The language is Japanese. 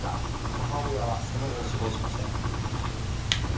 母親はその後、死亡しました。